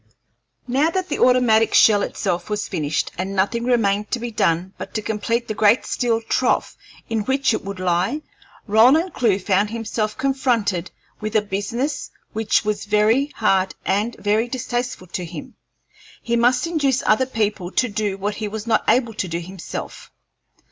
Now that the automatic shell itself was finished, and nothing remained to be done but to complete the great steel trough in which it would lie, Roland Clewe found himself confronted with a business which was very hard and very distasteful to him. He must induce other people to do what he was not able to do himself.